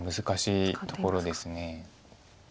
難しいところです。